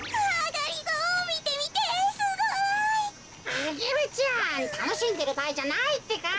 アゲルちゃんたのしんでるばあいじゃないってか。